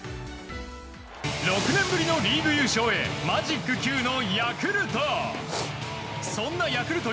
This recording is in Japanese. ６年ぶりのリーグ優勝へマジック９のヤクルト。